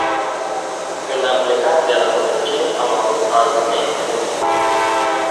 Când am plecat de la Cotroceni, am avut argumentele mele.